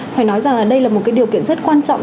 phải nói rằng là đây là một cái điều kiện rất quan trọng